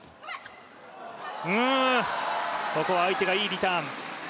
うーん、ここは相手がいいリターン。